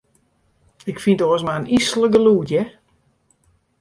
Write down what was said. Ik fyn it oars mar in yslik gelûd, hear.